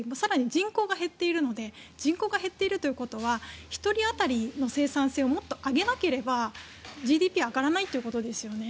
人口が減っているので人口が減っているということは１人当たりの生産性をもっと上げなければＧＤＰは上がらないということですよね。